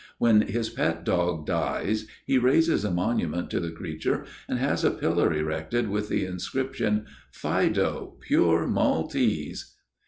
When his pet dog dies, he raises a monument to the creature, and has a pillar erected with the inscription: "Fido, Pure Maltese."